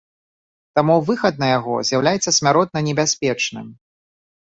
Таму выхад на яго з'яўляецца смяротна небяспечным.